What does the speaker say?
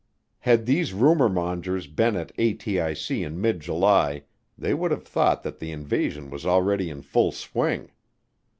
Had these rumormongers been at ATIC in mid July they would have thought that the invasion was already in full swing.